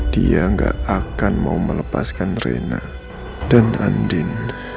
dia gak akan mau melepaskan drena dan andin